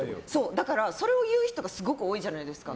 だからそれを言う人がすごく多いじゃないですか。